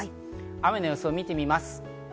雨の予想を見てみます。